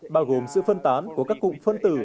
bao gồm sự phân tán của các cụm phân tử